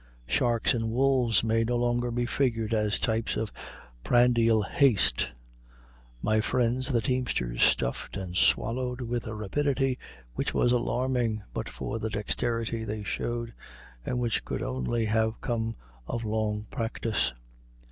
Sharks and wolves may no longer be figured as types of prandial haste. My friends, the teamsters, stuffed and swallowed with a rapidity which was alarming but for the dexterity they showed, and which could only have come of long practice.